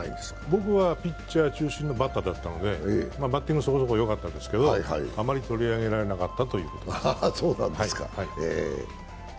僕はピッチャー中心のバッターだったんでバッティングそこそこよかったですけど、あまり取り上げられなかったということです。